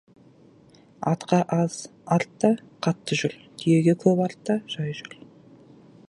Атқа аз арт та, қатты жүр, түйеге көп арт та, жай жүр.